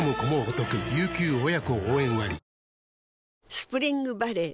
スプリングバレー